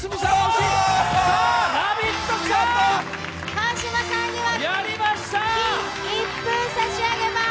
川島さんには金一封差し上げます。